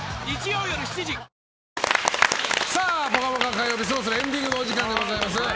火曜日そろそろエンディングのお時間でございます。